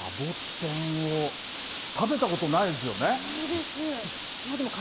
サボテンを食べたことないでないです。